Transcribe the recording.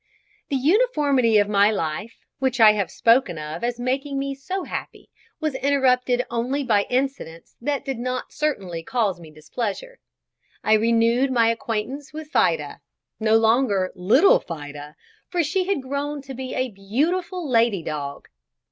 The uniformity of my life, which I have spoken of as making me so happy, was interrupted only by incidents that did not certainly cause me displeasure. I renewed my acquaintance with "Fida," no longer little Fida, for she had grown to be a beautiful lady dog.